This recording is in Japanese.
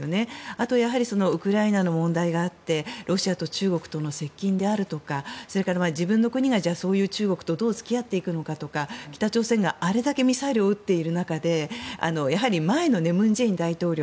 あとはウクライナの問題があってロシアと中国との接近であるとか自分の国が中国とどう付き合っていくのかとか北朝鮮があれだけミサイルを撃っている中でやはり、前の文在寅大統領